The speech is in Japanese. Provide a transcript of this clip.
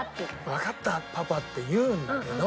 「わかったパパ」って言うんだけど「